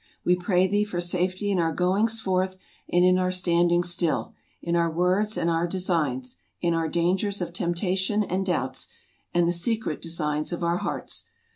We pray thee for safety in our goings forth and in our standings still, in our words and our designs, in our dangers of temptation and doubts, and the secret designs of our hearts.